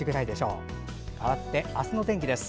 かわって、明日の天気です。